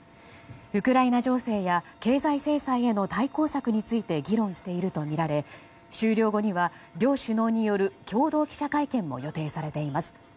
ウクライナ情勢や経済制裁への対抗策について議論しているとみられ終了後には両首脳による共同記者会見も予定されています。